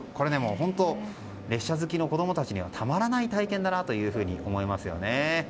本当、列車好きの子供たちにはたまらない体験だなと思いますよね。